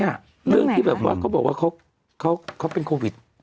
เรื่องไหนคะเรื่องที่แบบว่าเขาบอกว่าเขาเป็นโควิด